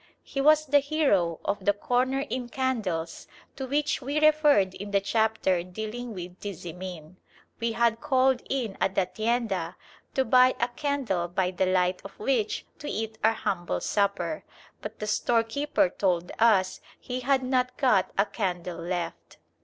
He was the hero of the "corner in candles" to which we referred in the chapter dealing with Tizimin. We had called in at the tienda to buy a candle by the light of which to eat our humble supper, but the storekeeper told us he had not got a candle left.